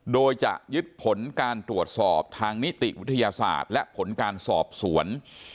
โดยจะยึดผลการตรวจสอบทางนิติวิทยาศาสตร์และผลการสอบสวน